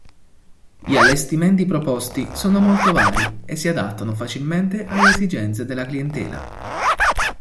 Gli allestimenti proposti sono molto vari e si adattano facilmente alle esigenze della clientela.